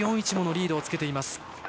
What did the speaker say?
４１ものリードをつけています。